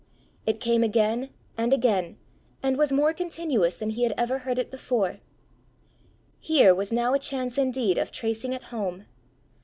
It came again, and again, and was more continuous than he had ever heard it before. Here was now a chance indeed of tracing it home!